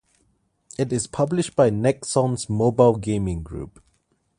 It is published by Nexon's mobile gaming group.